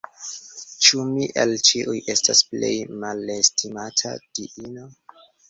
Ĉu mi el ĉiuj estas plej malestimata diino?